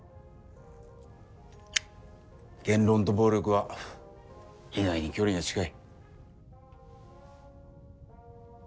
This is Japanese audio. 言論と暴力は意外に距離が近い。